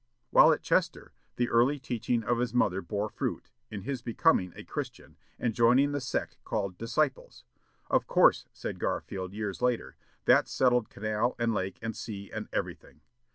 While at Chester, the early teaching of his mother bore fruit, in his becoming a Christian, and joining the sect called "Disciples." "Of course," said Garfield, years later, "that settled canal, and lake, and sea, and everything."